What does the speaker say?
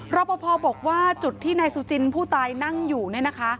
เราพอบอกว่าจุดที่นายซูจินผู้ตายนั่งอยู่นะคะ